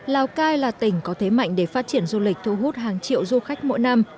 lào cai là tỉnh có thế mạnh để phát triển du lịch thu hút hàng triệu du khách mỗi năm